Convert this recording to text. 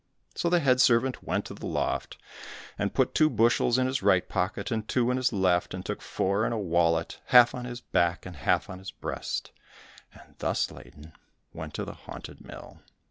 So the head servant went to the loft, and put two bushels in his right pocket, and two in his left, and took four in a wallet, half on his back, and half on his breast, and thus laden went to the haunted mill.